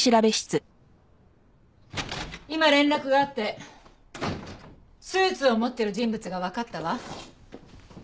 今連絡があってスーツを持ってる人物がわかったわ。